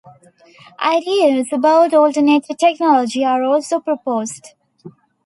Ideas about alternative technology are also proposed.